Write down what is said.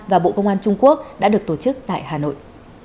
và bộ công an trung quốc đã được tổ chức tại hà nội